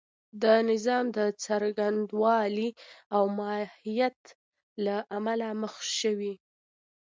د نظام د څرنګوالي او ماهیت له امله مخ شوې.